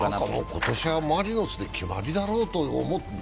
今年はマリノスの決まりだろうと思って。